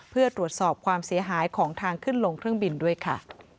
เพื่อตรวจสอบความเสียหายของทางขึ้นลงเครื่องบินด้วยค่ะ